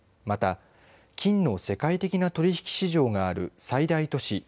また、金の世界的な取引市場がある最大都市